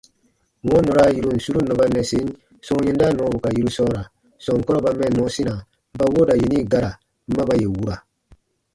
Wɔ̃ɔ nɔra yirun suru nɔba nnɛsen sɔ̃ɔ yɛnda nɔɔbu ka yiru sɔɔra sɔnkɔrɔ ba mɛnnɔ sina ba wooda yeni gara ma ba yè wura.